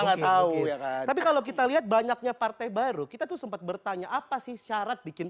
nggak tahu tapi kalau kita lihat banyaknya partai baru kita tuh sempat bertanya apa sih syarat bikin